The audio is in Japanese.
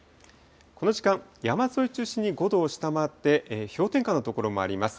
この時間、山沿いを中心に５度を下回って、氷点下の所もあります。